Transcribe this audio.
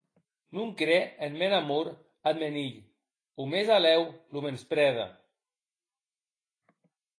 Non cre en mèn amor ath mèn hilh, o mèsalèu lo mensprède.